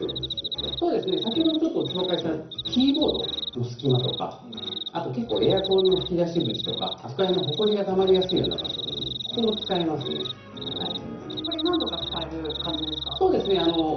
先ほども紹介したキーボードの隙間とかエアコンの吹き出し口とかほこりがたまりやすいような場所に何度か使える感じですか？